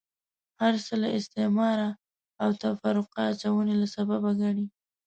هرڅه له استعماره او تفرقه اچونې له سببه ګڼي.